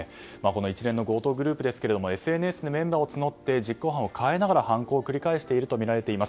一連の強盗グループですけれどもＳＮＳでメンバーを募って実行犯を変えながら犯行を繰り返しているとみられています。